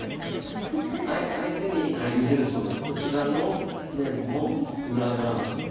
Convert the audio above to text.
相手に見せるつもりでこちらの面も裏側も。